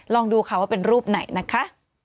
ลองดูค่ะว่าเป็นรูปไหนนะคะ